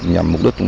nhằm mục đích